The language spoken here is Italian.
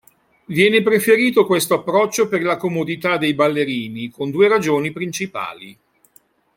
Viene preferito questo approccio per la comodità dei ballerini, con due ragioni principali.